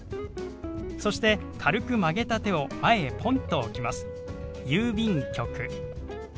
そして軽く曲げた手を前へポンと置きます。